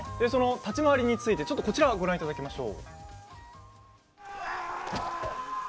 立ち回りに、ついてこちらをご覧いただきましょう。